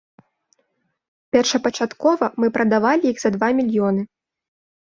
Першапачаткова мы прадавалі іх за два мільёны.